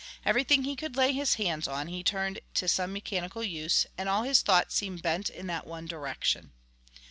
Everything he could lay his hands on he turned to some mechanical use, and all his thoughts seemed bent in that one direction.